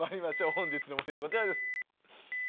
本日の森はこちらです。